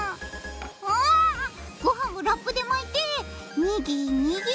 あごはんをラップで巻いてにぎにぎ。